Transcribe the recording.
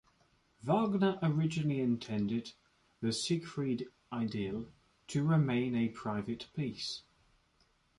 Wagner originally intended the "Siegfried Idyll" to remain a private piece.